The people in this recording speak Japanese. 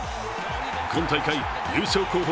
今大会、優勝候補